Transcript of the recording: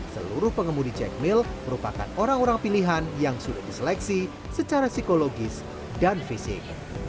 seluruh pengemudi cek mill merupakan orang orang pilihan yang sudah diseleksi secara psikologis dan fisik